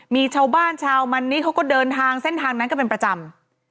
มีชาวบ้านชาวมันนี่เขาก็เดินทางเส้นทางนั้นก็เป็นประจำ